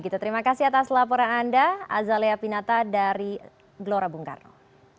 terima kasih atas laporan anda azalea pinata dari glora bungkarno